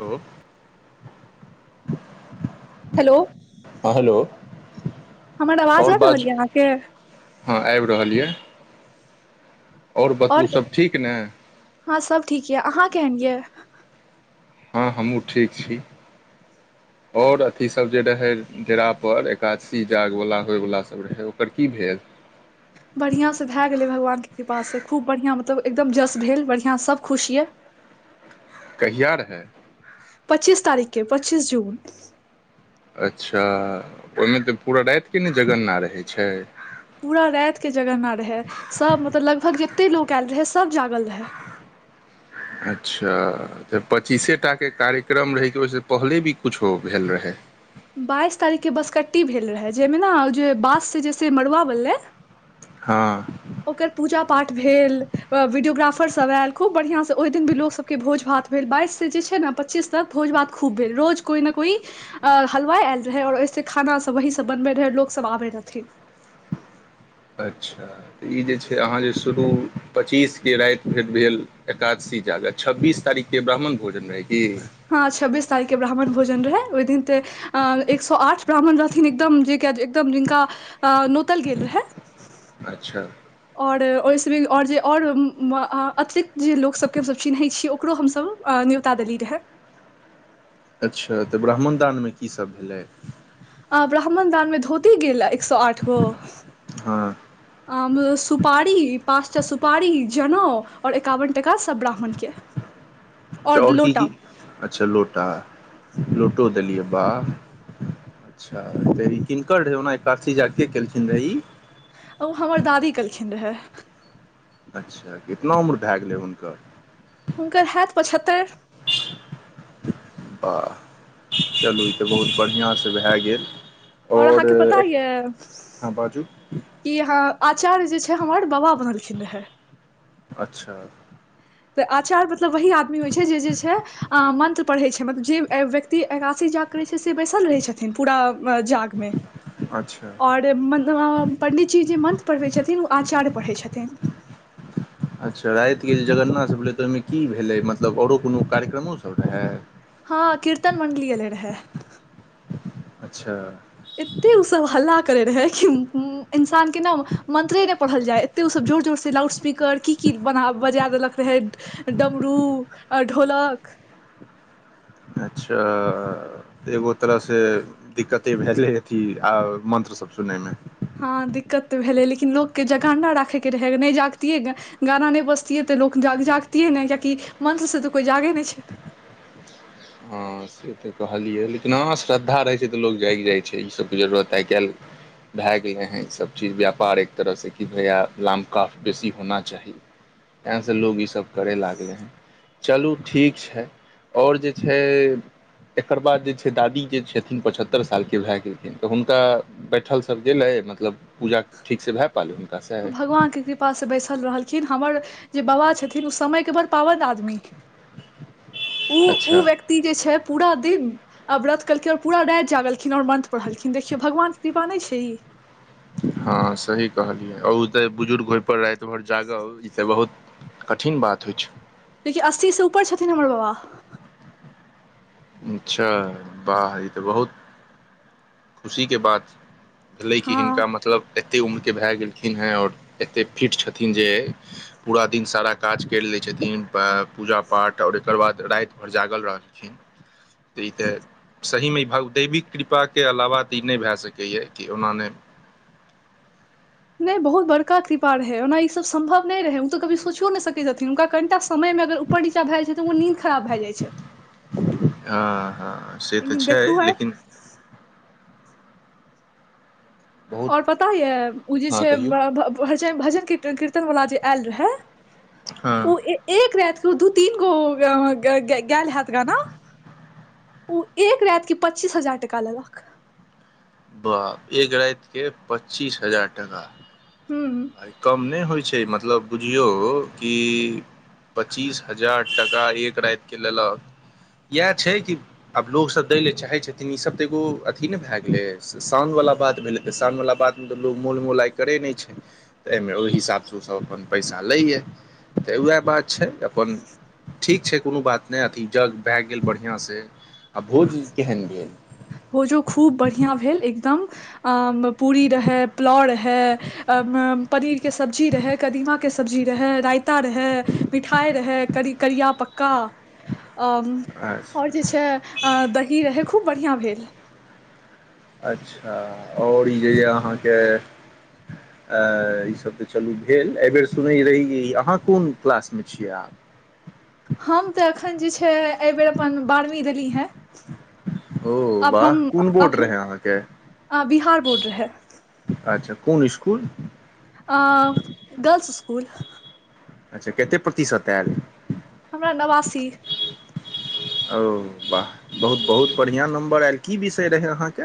तो हेलो हँ हेलो हमर आवाज आओर आबि रहल बाजू यऽ अहाँके हँ आबि रहल यए बतबू आओर सभ ठीक ने हँ सब ठीक यऽ अहाँ केहन यए हँ हमहूँ ठीक छी आओर अथीसभ जे रहै डेरापर एकादशी जागवला होइवला सब रहै ओकर की भेल [inaudible] बढ़िआँसँ भए गेलै भगवानके कृपासँ खूब बढ़िआँ मतलब एकदम जश भेल बढ़िआँ सभ खुश यए कहिया रहै पच्चीस तारीक के पच्चीस जून अच्छा ओहिमे तऽ पूरा रातिके ने जगन्ना रहै छै पूरा रात के जगरना रहै सब मतलब लगभग ज के लोक ऐल रहै सब जागल रहै अच्छा तऽ पच्चीसे टा के कार्यक्रम रहै कि ओहिसँ पहिले भी किछो भेल रहै बाइस तारीखके बँसकट्टी भेल रहै जाहिमे ने जे बाँससँ जेैस मरुआ बनलै हँ ओकर पूजा पाठ भेल वीडियोग्राफर सब आयल खूब बढ़िआं से ओहि दिन भी लोक सबके भोज भात भेल बाइस से जे छै ने पच्चीस तक भोज भात खूब भेल रोज कोइ ने कोइ अ हलवाइ आयल रहै आओर ऐसे खाना सब वह सब बनबै रहै लोक सब आबै रहथिन [inaudible] अच्छा तऽ ई जे छै। अहाँ जे शुरू पचीसके राति भेट भेल एकादशी जागत छब्बीस तारीखके ब्राह्मण भोजन रहै की हँ छब्बीस तारीख के ब्राह्मण भोजन रहै ओहि दिन ते अ एक सए आठ ब्राह्मण रहथिन एकदम जे एकदम जिनका नोतल गेल रहै अच्छा आओर ओहिसँ आओर जे आओर अतिरिक्त जे लोकसके हमस चिन्है छी ओकरो हमसब न्यूता देलिए रहै अच्छा तऽ ब्राह्मणदानमे कीसभ भेलै अ ब्राह्मण दान मे धोती गेल एक सए आठ गो हँ आ सुपारी पाँचटा सुपारी जनेउ और एकावन टका सब ब्राह्मण के और लोटा ुटा लोटो दलियअ बा अच्छा ते किनक रहै ओना एकाशी जागके केलखिन रह ई ओ हमर दादी कलखिन रहए अच्छा कितना उम्र भए गेलै हुनकर हुनकर होत पचहत्तर आ चलू ई तऽ बहुत बढ़िआँसँ भए गेल आओर अहाँके पता य हँ बाजू कि यहाँ आ आचार्य जे छै हमर बाबा बनलखिन रहै अच्छा तऽ आचार्य मतलब वही आदमी होइ छै, जे छै, अ मंत्र पढ़ै छै, मतलब जे व्यक्ति एकासी जाग करै छै। से बैसल रहै छथिन पूरा जाग मे अच्छा ओर म पंडितजी जे मंत्र पढ़बै छथिन ओ आचार्य पढ़ै। छथिन अच्छा राातिके जे जगरनासभ भेलै तऽ ओहिमे की भेलै मतलब आओरो कोनो कार्यक्रमोसभ रहै हँ, कीर्तन मण्डलियल रहै अच्छा एते ओ सब हल्ला करे रहै कि इंसान के ने मंत्रे नय पढ़ल जाय एते ओ सब जोर जोर से लाउ स्पीकर की की बना बजा देलक रहै डमरू आ ढोलक अच्छा एगो तरह से दिक्कते भएै अथी आ मंत्र सब सुनय मे हँ दिक्कत तऽ भेलै लेकिन लोक के जगाणा राखे के रहै अगर नहि जागतियै ग गाना नय बजतियै तऽ लोक जाग जागतियै नय कियकि मन्त्रसँ तऽ कोइ जागे नहि छै [inaudible] हँ से तऽ कहलियै लेकिन हँ श्रद्धा रहैत छै तऽ लोक जाग जाय छै ईसभके जरूरत आइ काल्हि भए गेले हैं ई सब चीज व्यापार एक तरह से कि भैया लाम काफ बेसी होना चाही तै से लोग ईसभ करय लागलय हैं चलू ठीक छै, और जे छै एकर बाद जे छै। दादी जे छथिन पचहत्तर साल के भए गेलखिन तऽ हुनका बैठल सब गेलै ए मतलब पूजा ठीक से भै भगवान के कृपा से बैसल रहलखिन हमर जे बाबा छथिन ओ समय के बर पाबनि आदमी ओ ओ अच्छा व्यक्ति जे छै। पूरा दिन आ व्रत केलखिन और पूरा रायत जागलखिन और मन्त्र पढ़लखिन देखियौ भगवानके कृपा नहि छै। ई हँ, सही कहलियै आ ओ तऽ बुजुर्ग होयप रायत भर जागह ई त बहुत कठिन बात होइ छै। देखिए अस्सीसँ ऊपर छथिन हमर बाबा अच्छा बाह ई तऽ बहुत खुशी के बात भेलै कि हिनका हँ मतलब एते उम्र के भए गेलखिन हे और एते फिट छथिन जे पूरा दिन सारा काज कर ले छथिन तीन पा पूजा पाठ और एकर बाद रायत भर जागल रहलखिन तऽ ई तऽ सहीमे ई भदैविक कृपाके अलावा तऽ ई नय भए सकैए कि ओना नहि [inaudible] नहि बहुत बड़का कृपा रहै ओना ईसभ सम्भव नय रहै ओ तऽ कभी सोचियो नय सकै छथिन हुनका कनिटा समय घर ऊपर नीचा भए जाइ छै तऽ व नीद खराब भए जाइ छै हँ हँ से तऽ लेकिन छै देखू आइ लेकिन बहुत और पता ऐ ओ जे हँ छै कहियौ बरा भ भ भजन कीर्तन कीर्तन वला जे आयल रहै हँ ओ ए एक रायत दू दू तीन गो ग ग गैल हैत गाना ओ एक रायत के पच्चीस हजार टाका लेलक बाप एक राति के पच्चीस हजार टाका हूँ कम नय होइ छै छै मतलब बुझियौ कि पच्चीस हजार टका एक रायत के लेलक इएह छै कि आब लोकोगसभ दै ल चाहै छथिन ईसभ तऽ एगो अथी नय भए गेलै सागव बला बात भेलै तऽ शाम वाला बात मे त लोग मोल मोलय करे नय छै तऽ एहिमे ओहि हिसाब सँ ओसभ अपन पैसा लैए तऽ उएह बात छै अपन ठीक छै कोनो बात नय अथी जग भऐ गेल बढ़िआँ सँ आ भोज केहन भेल भोजो खूब बढ़िआँ भेल एकदम अ पूरी रहै पुलाव रहै अ पनीर के सब्जी रहै कदीमा के सब्जी रहै राय पत्ता रहे मिठाइ रहै कर करिया पक्का अ ओर अच्छा जे छै दही रहै खूब बढ़िआँ भेल अच्छा आओर यह ई अहाँके अ ईसभ तऽ चलू भेल एहिबेर सुनैत रही अहाँ कोन क्लास मे छियै आब हम तऽ एखन जे छै एहिबेर अपन बारहवीं देली हेँ ओ आब वाह हम कोन आब बोड हम रहे अहाँके अ, बिहार बोर्ड रहै अच्छा कोन स्कूल आ गर्ल्स स्कूल अच्छा कते प्रतिशत आयल हमरा नवासी ओ वाह बहुत बहुत बढ़िआँ नम्बर आयल की विषय रहै अहाँके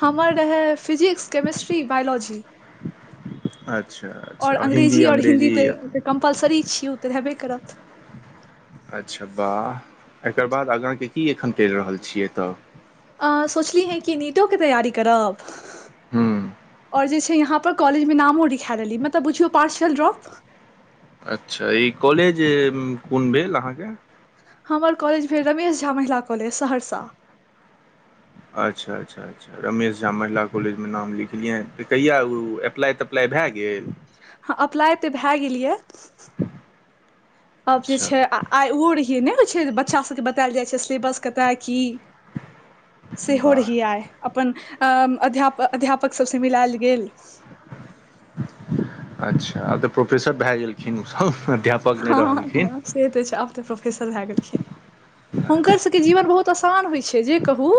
हमर रहै फिजिक्स और अंग्रेजी और हिन्दी तऽ कम्पलसरी छिय उ तऽ रहबे करत अच्छा वाह एकर बाद आगाँ के की एखन कैर रहल छियै तऽ अ सोचली हे कि नीटोे तैयारी करब ह्म और जे छै यहाँ कॉलेज मे नामो लिखा लेली मतलब बुझियौ पार्सल ड्रॉप अच्छा ई कॉलेज कोन भेल अहाँके हमर कॉलेज भेल रमेश झा महिला कॉलेज सहरसा अच्छा अच्छा अच्छा रमेश झा महिला कॉलेज मे नाम लिखलियै त कहिया अप्लाई तप्लाई भए गेल हँ अप्लाय तऽ भए गेल यै आब जे अच्छा छै आ आइ ओहो रहियै नहि होइ छै बच्चासभके बतायल जाइ छै सिलेबस कतय की सेहो रहियै वाह आइ अपन अ्म अध्याप अध्यापक सबसँ मिलाएल गेल अच्छा आब तऽ प्रोफेसर भए गेलखिन उ हँ ह ह से तऽ छै आब तऽ प्रोफेसर भए गेलखिन हुनकर अच्छा, सभके जीवन बहुत आसान होइत छै जे कहू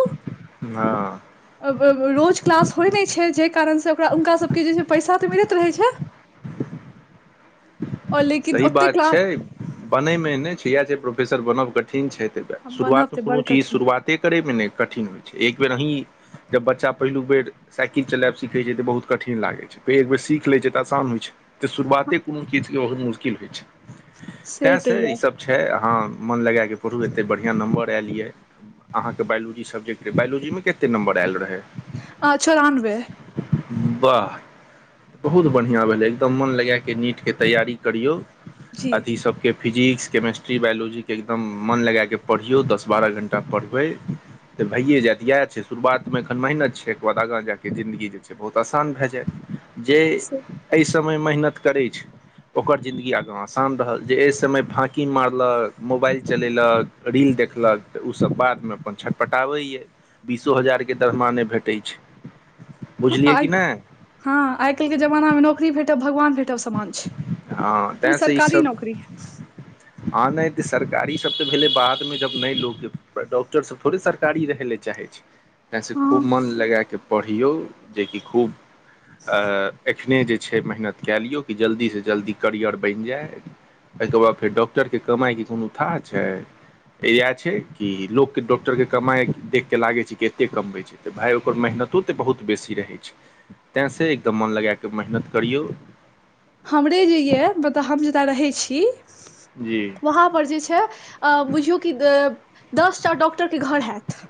हँ अब अब रोज क्लास होइ नहि छै जेहि कारणसँ ओकरा हुनका सबके जेछै पैसा तऽ मिलैत रहै छै और लेकिन सही ओते बात क्लास छै बनयमेने छै इएह छै प्रोफेसर बनब कठिन छै बनब शुरुआतमे तऽ बड़ कोनो चीज कठिन शुरुआते करयमे ने कठिन होइ छै एक बेर अहीं जब बच्चा पहिलु बेर साइकिल चलायब सीखै छै तऽ बहुत कठिन लागै छै फेर एक बेर सीख लैत छै तऽ आसान होइत छै तऽ शुरुआते कोनो चीज के बहुत मुश्किल होइ छै तें से ई सब छै हँ मन लगाय कऽ पढ़ु एते बढ़िआँ नम्बर आयल यै अहाँके बायोलॉजी सब्जेक्ट बायोलजी मे कते नम्बर आयल रहय आ चौरानबे वाह बहुत बढ़िया भेले एकदम मन लगा के नीट के तैयारी करियौ जी अथी सबके फिजिक्स केमेस्ट्री बायोलॉजी के एकदम मन लगाएकऽ पढ़ियौ दस बारह घण्टा पढ़बै तऽ भइए जायत इएह छै शुरुआतमे एखन मेहनत छै ओके बाद आगाँ जा कऽ जिन्दगी जे छै बहुत आसान भए जायत जे से एहि समय मेहनत करैत छै ओकर जिंन्दगी आगाँ आसान रहल जे एहि समय फाँकि मारलक मोबाइल चलेलक रील देखलक तऽ ओसभ बादमे अपन छटपटाबैए बीसो हजार के दरमाहा नै भेटैत छै हँ बुझलियै आइ कि नहि काल्हि के जमानामे नौकरी भेटत भगवान भेटब समान छै हँ ओभी सरकारी नौकरी हँ नहि तऽ सरकारीसभ तऽ भेलै बादमे जब नहि लोकके डॉक्टरसभ थोड़े सरकारी रहय ले चाही छै तै से हँ खूब मन लगैके पढ़ियौ जेकि खूब अ एखने जे छै मेहनत कए लियौ कि जल्दी सँ जल्दी करियर बनि जाय एहिके बाद फेर डॉक्टरके कमाइके कोनो थाह छै इएह छै कि लोकके डॉक्टर के कमाइ देख के लागे छै कि एते कमबै छै त भाय ओकर मेहनत तो तऽ बहुत बेसी रहै छै तैं से एकदम मन लगै के मेहनत करियौ हमरे जे यै मतलब हम जतय रहैत छी जी वहाँ पर जे छै अ बुझियौ कि अ दसटा डॉक्टर के घर हैत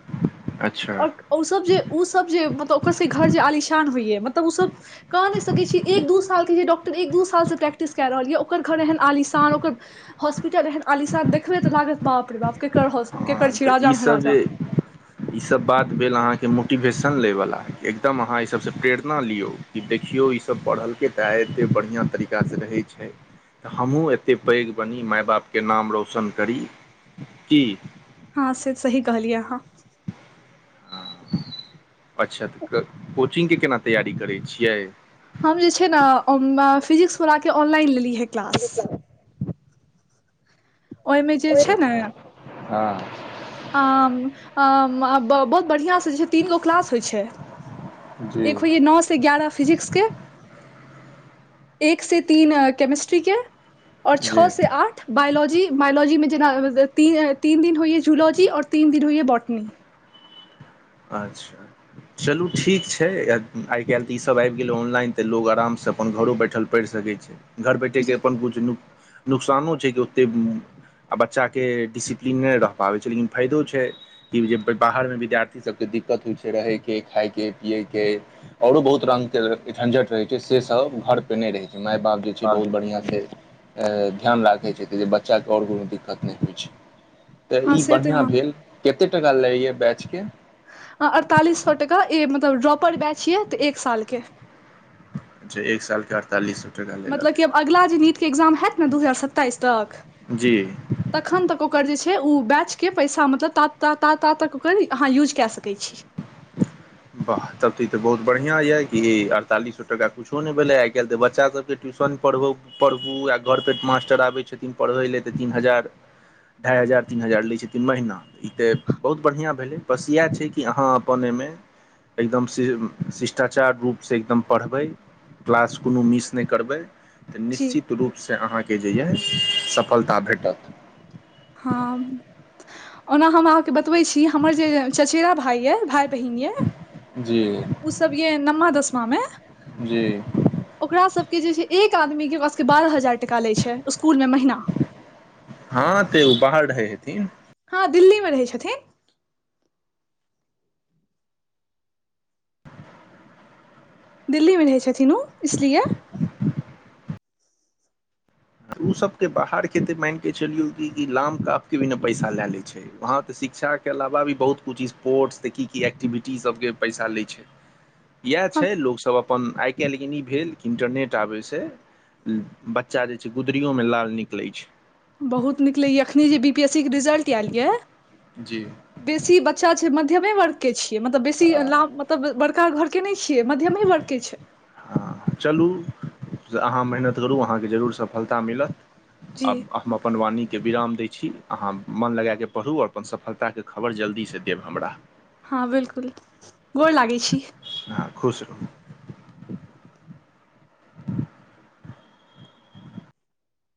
अच्छा और ओ सब जे ओ सब जे मतलब ओकर सब घर जे आलिशान होइय मतलब ओ सब कह नहि सकै छी एक दू साल के डॉक्टर एक दू साल से प्रैक्टिस कए रहल यै ओकर घर एहन आलिशान ओकर हॉस्पिटल एहन आलिशान देखबै त लागत बाप रे बाप केकर हास हँ केकर छी तऽ राजा ईसभ महाराजा जे ईसभ बात अहाँके मोटिवेशन ले वाल एकदम अहाँ ई सबसँ प्रेरणा लियौ कि देखियौ ई सब पढ़ल तऽ एते बढ़िया तरीका से रहे छै। तऽ हमहूँ एतेक पैघ बनी माय बापके नाम रौशन करी की हँ, से सही कहलिय आहा अच्छा तऽ कोचिंग के केना तैयारी करै छियै हम जे छै ने फिजिक्सवला के ऑनलाइन लेलिय हे क्लास ओहिमे जे छैय न हँ आ आ ब बहुत बढ़िया सँ तीनगो क्लास होए छैय जी एक होइए नओ से ग्यारह फिजिक्स के एक से तीन केमिस्ट्री के आऔर छओ जी से आठ बायोलॉजी लॉजी मे जेना तीन दिन होइय जूलॉजी आर तीन दिन होइए बॉटनी अच्छा चलू ठीक छै आइ काल्हि तऽ ईसभ आबि गेलै ऑनलाइन तऽ लोक आरामसँ से अपन घरो बैठल पढ़ि सकै छै घर बैठयके अपन किछु न नुकसानो छै कि ओत्ते आ बच्चाके डिसिप्लीन नहि र पाबैत छै लेकिन फायदो छै कि जे बाहर मे विद्यार्थी सब के दिक्कत होइ छै रहे के खाय के पियए के औरो बहुत रंग के झंझट रहे छै से सब घरपर नहि रहै छै माय बाप जे छै बहुत बढ़िआँ सँ ध्यान राखैत छै जे बच्चाके आओर कोनो दिक्कत नहि होइ छै तऽ हँ ई से तऽ बढ़िआँ हँ भेल कते टका लैयए बैच के आ अड़तालीस सए टका ई मतलब ड्रॉपर बैच य तऽ एक सालके अच्छा एक साल के अड़तालिस मतलब कि आब अगिला जे नीटके एक्जाम हयैत ने दू हजार सत्ताइस तक जी तखन तक ओकर जे बेच के पइसा मतलब त त अ आ ओकर यूज के सकय छि। वाह तब ती तऽ बहुत बढ़ियां यए कि अड़तालीसो टका कुछो नहि भेलै आइ काल्हि तऽ बच्चा सबके ट्यूशन पढ़ू आ घर पर मास्टर आबै छथिन पढ़ै लए तऽ तीन हजार ढ़ाइ हजार तीन हजार लैत छथिन महीना ई तऽ बहुत बढ़िआँ भेलै बस इएह छै, कि अहाँ अपन एहिमे एकदम शि शिष्टाचार रूपसँ एकदम पढ़बै क्लास कोनो मिस नहि करबै तऽ जी निश्चित रूपसँ अहाँकेँ जे यए सफलता भेटत हँ, ओना हम अहाँके बतबै छी। हमर जे चचेरा भाई य भाय बहिन ये जी ओ सब ये नमा दसमा मे जी ओकरा सबके जे छै, एक आदमी के पास बारह हजार लय छेय स्कूल मे महीना हँ तऽ ओ बाहर रहै हेथिन हँ दिल्लीमे रहै छथिन दिल्लीमे रहै छथिन ओ इसलिए ओ सबके बाहर खेते मानिक चलियौ लाम कापके बिना पैसा लए ले छै। वहाँ तऽ शिक्षाके अलावा भी बहुत किछ स्पोर्ट्स त की की एक्टिविटी सबके पैसा लै छै। इएह हँ छै। लोक सब अपन अपन आइ काल्हि लेकिन ई भेल कि इन्टरनेट आबैसँ बच्चा जे गुदरीयो में लाल निकलैत छै। बहुत नीक लैए एखने जे बी पीएस सी के रिजल्ट आयल यए बेसी बच्चा छै, मध्यमे वर्ग के छियै, मतलब बेसी लाभ मतलब बड़का घर नहि छ मध्यम वर्गके छै, से अहाँ मेहनत करू अहाँकेँ जरूर सफलता मिलत जी आ हम अपन वाणी के विराम दै छी अहाँ मन लगााकऽ पढ़ूओर अपन सफलताके खबर जल्दीसँ देब हमरा हाँ बिल्कुल गोर लागै छी। हाँ, खुश रहू